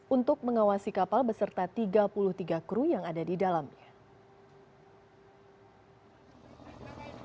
untuk mengawasi kapal beserta tiga puluh tiga kru yang ada di dalamnya